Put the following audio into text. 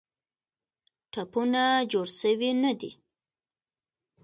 ټپونه جوړ سوي نه دي.